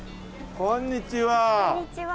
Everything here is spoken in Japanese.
こんにちは。